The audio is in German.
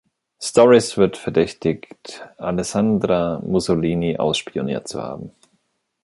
Storace wird verdächtigt, Alessandra Mussolini ausspioniert zu haben.